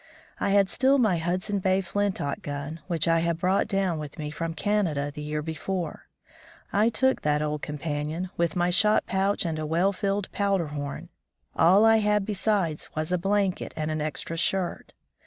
I had still my Hudson Bay flintlock gun, which I had brought down with me from Canada the year before. I took that old companion, with my shot pouch and a well filled powder horn. All I had besides was a blanket, and an extra shirt.